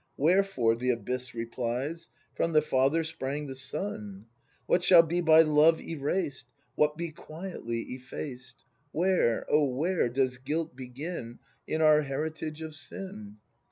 Wherefore ? The abyss replies : From the father sprang the son! What shall be by Love erased ? What be quietly effaced ? Where, O where, does guilt begin In our heritage of sin